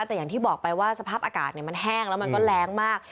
แต่อย่างที่บอกไปว่าสภาพอากาศมันแห้งแล้วมันก็แรงมาก